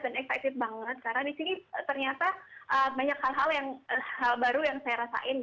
dan excited banget karena disini ternyata banyak hal hal yang hal baru yang saya rasain